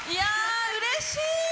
うれしい！